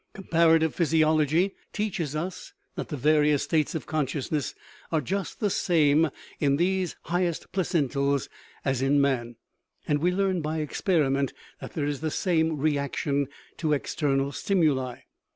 Comparative physiology teaches us that the various states of consciousness are just the same in these highest placentals as in man; and we learn by experiment that there is the same reaction to external stimuli.